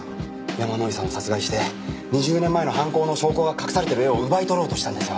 山井さんを殺害して２０年前の犯行の証拠が隠されている絵を奪い取ろうとしたんですよ。